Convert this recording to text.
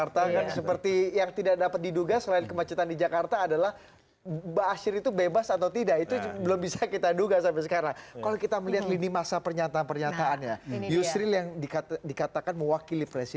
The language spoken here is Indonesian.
terima kasih mas budi